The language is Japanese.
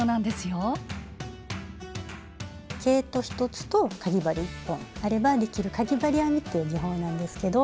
毛糸１つとかぎ針１本あればできるかぎ針編みっていう技法なんですけど。